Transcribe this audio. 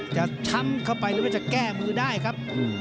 ช้ำเข้าไปหรือว่าจะแก้มือได้ครับ